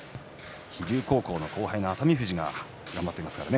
飛龍高校の後輩の熱海富士が頑張っていますね